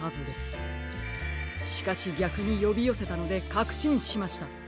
しかしぎゃくによびよせたのでかくしんしました。